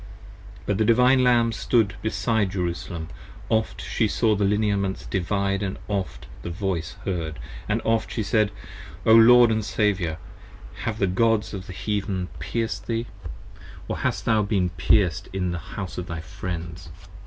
50 But the Divine Lamb stood beside Jerusalem, oft she saw The lineaments Divine & oft the Voice heard, & oft she said. O Lord & Saviour, have the Gods of the Heathen pierced thee: 70 Or hast thou been pierced in the House of thy Friends?